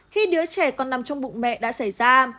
khi đứa trẻ còn nằm trong bụng mẹ đã xảy ra